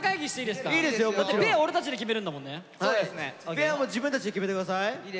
ペアも自分たちで決めて下さい。